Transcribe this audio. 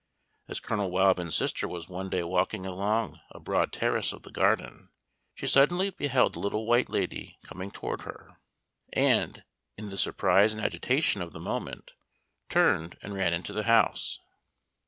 As Colonel Wildman's sister was one day walking along abroad terrace of the garden, she suddenly beheld the Little White Lady coming toward her, and, in the surprise and agitation of the moment, turned and ran into the house.